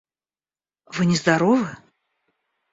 Вы нездоровы?